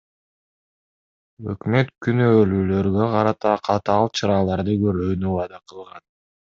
Өкмөт күнөөлүүлөргө карата катаал чараларды көрүүнү убада кылган.